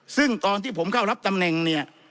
ซึ่งตอนที่ผมเข้ารับตำแหน่งเนี่ย